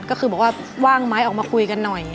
ว่าว่าว่างไหมออกมาคุยกันหน่อย